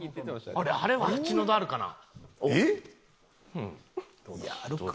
あれは８のどあるかな？